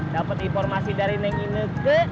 dapet informasi dari neng ineke